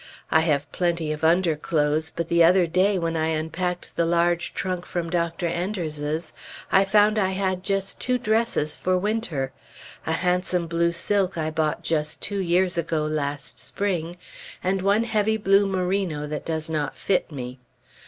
I have plenty of underclothes, but the other day, when I unpacked the large trunk from Dr. Enders's, I found I had just two dresses for winter; a handsome blue silk I bought just two years ago last spring, and one heavy blue merino that does not fit me.